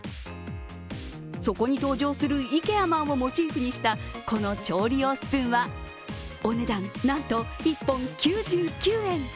そこに登場するＩＫＥＡＭａｎをモチーフにした、この調理用スプーンはお値段、なんと１本９９円。